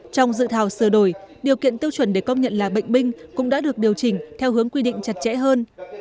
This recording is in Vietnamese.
trong dự thảo sửa đổi điều kiện tiêu chuẩn để công nhận là bệnh binh cũng đã được điều chỉnh theo hướng quy định chặt chẽ hơn